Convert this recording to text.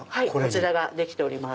こちらができております。